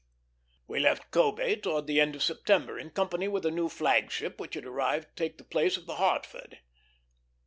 We left Kobé towards the end of September, in company with a new flag ship which had arrived to take the place of the Hartford.